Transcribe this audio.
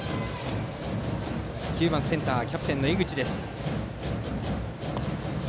９番センターキャプテンの江口からです。